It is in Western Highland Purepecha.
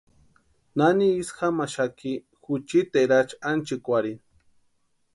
¿Nani isï jamaxaki juchiti erachi anchikwarhini?